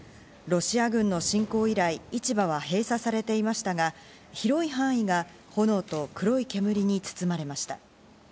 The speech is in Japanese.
ロシア軍の侵攻以来、市場は閉鎖されていましたが、広い範囲が炎と黒い煙に包まれました。